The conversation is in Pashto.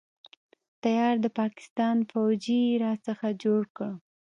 تيار د پاکستان فوجي يې را څخه جوړ کړ.